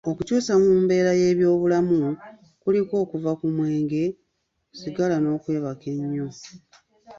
Okukyusa mu mbeera y'obulamu kuliko okuva ku mwenge, sigala n'okwebaka ennyo.